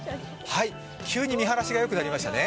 急に見晴らしがよくなりましたね。